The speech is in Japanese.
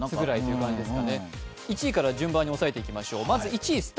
１位から順番に押さえていきましょう。